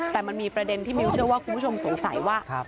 แต่มันมีประเด็นที่มิวเชื่อว่าคุณผู้ชมสงสัยว่า